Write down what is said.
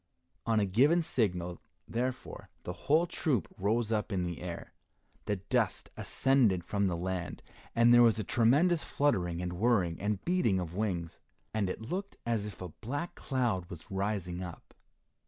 On a given signal, therefore, the whole troop rose up in the air. The dust ascended from the land, and there was tremendous fluttering and whirring and beating of wings, and it looked as if a black cloud was rising up.